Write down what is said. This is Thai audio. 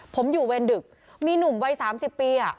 ผมอยู่เวรดึกมีหนุ่มวัย๓๐ปี